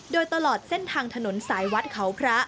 โดยตลอดเส้นทางถนนสายวัดเขาพระ